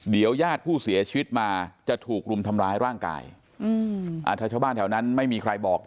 เดี๋ยวญาติผู้เสียชีวิตมาจะถูกรุมทำร้ายร่างกายถ้าชาวบ้านแถวนั้นไม่มีใครบอก